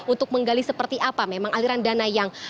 untuk menggali seperti apa memang aliran dana yang